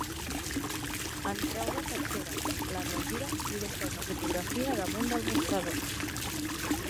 En treu la cartera, la regira i deixa una fotografia damunt del mostrador.